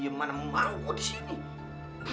iya mana mau kok di sini